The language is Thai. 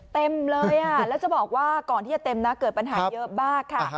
เต็มเลยแล้วจะบอกว่าก่อนที่จะเต็มนะเกิดปัญหาเยอะมากค่ะ